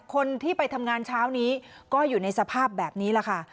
คนที่ไปทำงานเช้านี้ก็อยู่ในสภาพแบบนี้แหละค่ะ